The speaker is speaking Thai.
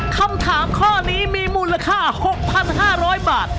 คำถามข้อนี้มีมูลค่า๖๕๐๐บาท